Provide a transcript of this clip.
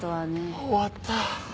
終わった。